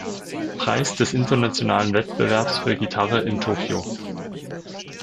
Preis des Internationalen Wettbewerbs für Gitarre in Tokio.